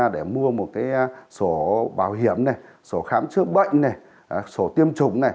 để mua một cái sổ bảo hiểm sổ khám chữa bệnh sổ tiêm chủng